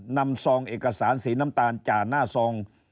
ซองเอกสารสีน้ำตาลจ่าหน้าซอง